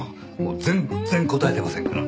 全然こたえてませんから。